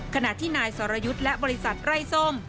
ขณะที่นายสรยุทธ์และบริษัทไร้ส้ม